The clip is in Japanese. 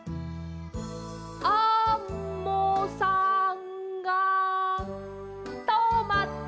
アンモさんがとまった！